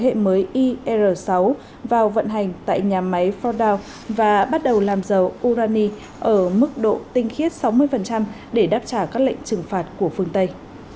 bắt đầu đưa các lò phản ứng thế hệ mới ir sáu vào vận hành tại nhà máy fordow và bắt đầu làm giàu urani ở mức độ tinh khiết sáu mươi để đáp trả các lệnh trừng phạt của phương tây